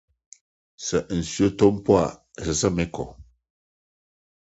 Sɛ osu tɔ mpo a, ɛsɛ sɛ mekɔ.